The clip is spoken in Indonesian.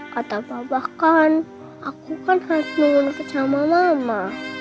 kata babahkan aku kan harus nyuruh sama mama